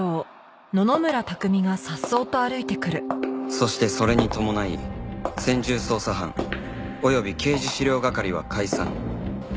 そしてそれに伴い専従捜査班および刑事資料係は解散